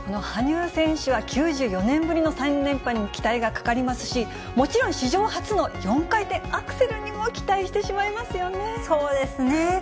羽生選手は９４年ぶりの３連覇に期待がかかりますし、もちろん史上初の４回転アクセルにも期そうですね。